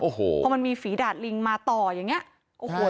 โอ้โหพอมันมีฝีดาดลิงมาต่ออย่างเงี้ยโอ้โห